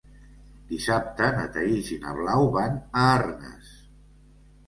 Dissabte na Thaís i na Blau van a Arnes.